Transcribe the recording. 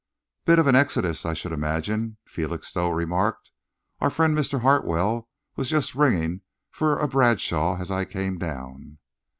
"Bit of an exodus, I should imagine," Felixstowe remarked. "Our friend Mr. Hartwell was just ringing for a Bradshaw as I came down."